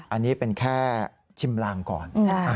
อันนี้เป็นแค่ชิมลางก่อน